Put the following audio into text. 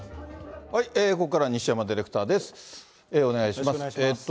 ここからは西山ディレクターです。